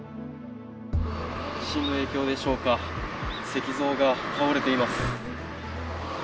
地震の影響でしょうか、石像が倒れています。